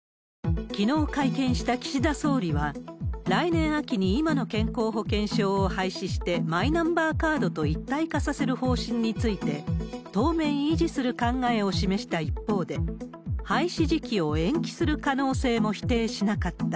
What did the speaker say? きのう会見した岸田総理は、来年秋に今の健康保険証を廃止してマイナンバーカードと一体化させる方針について、当面維持する考えを示した一方で、廃止時期を延期する可能性も否定しなかった。